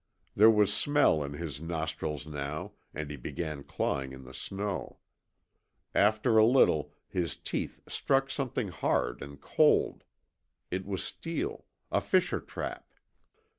There was smell in his nostrils now, and he began clawing in the snow. After a little his teeth struck something hard and cold. It was steel a fisher trap.